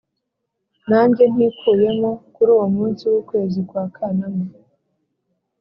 nanjye ntikuyemo. Kuri uwo munsi w'ukwezi kwa Kanama